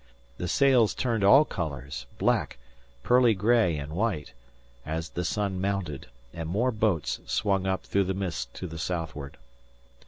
The sails turned all colours, black, pearly gray, and white, as the sun mounted; and more boats swung up through the mists to the southward.